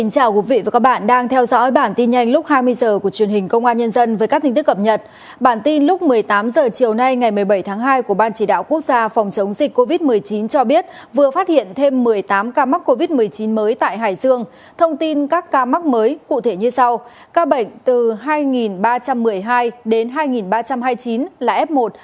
các bạn hãy đăng ký kênh để ủng hộ kênh của chúng mình nhé